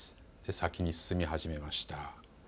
先に進み始めました。